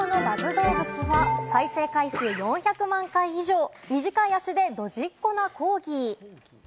どうぶつは再生回数４００万回以上、短い足でドジっ子なコーギー。